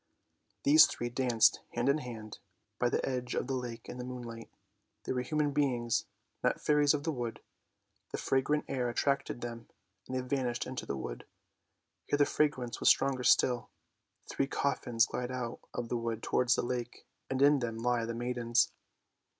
These three danced hand in hand, by the edge of the lake in the moonlight. They were human beings, not fairies of the wood. The fragrant air attracted them, and they vanished into the wood; here the fragrance was stronger still. Three coffins glide out of the wood towards the lake, and in them lie the maidens.